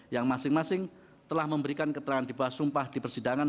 yang masing masing telah memberikan keterangan di bawah sumpah di persidangan